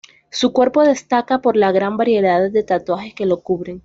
Su cuerpo destaca por la gran variedad de tatuajes que lo cubren.